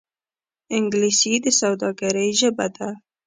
انګلیسي د سوداګرۍ ژبه ده